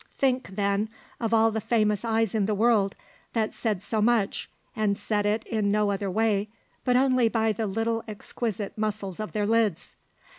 Think, then, of all the famous eyes in the world, that said so much, and said it in no other way but only by the little exquisite muscles of their lids.